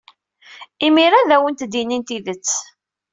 Imir-a ad awent-d-inin tidet.